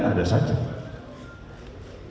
sama saja pks yang diluar kan ada kemungkinan juga di dolong